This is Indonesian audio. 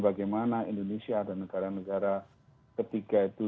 bagaimana indonesia dan negara negara ketiga itu